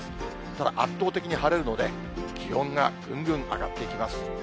ただ圧倒的に晴れるので、気温がぐんぐん上がっていきます。